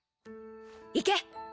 行け。